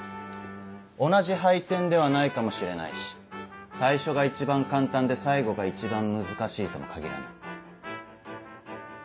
同じ配点ではないかもしれないし最初が一番簡単で最後が一番難しいとも限らない。